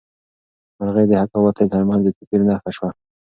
مرغۍ د حق او باطل تر منځ د توپیر نښه شوه.